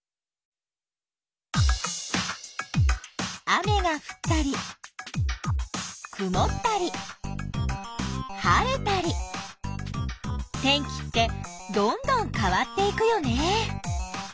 雨がふったりくもったり晴れたり天気ってどんどん変わっていくよね。